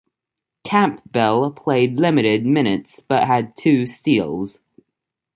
Campbell played limited minutes but had two steals.